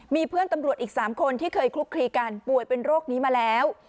มีเพื่อนตำรวจอีก๓คนที่เคยคลุกคลีกันป่วยเป็นโรคนี้มาแล้ว